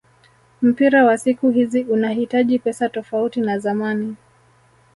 Mpira wa siku hizi unahitaji pesa tofauti na zamani